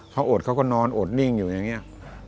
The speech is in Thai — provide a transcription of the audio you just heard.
เขาอดเขาก็นอนอดนิ่งอยู่อย่างนี้